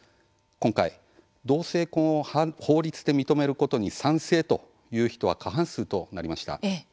今回、同性婚を法律で認めることに賛成という人は過半数となりました。